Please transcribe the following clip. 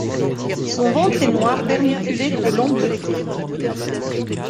Son ventre est noir vermiculé de blanc bleuté.